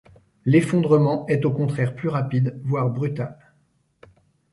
L'effondrement est au contraire plus rapide, voire brutal.